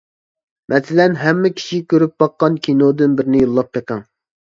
مەسىلەن، ھەممە كىشى كۆرۈپ باققان كىنودىن بىرنى يوللاپ بېقىڭ.